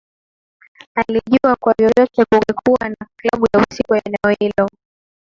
Alijua kwa vyovyote kungekuwa na klabu ya usiku eneo hilo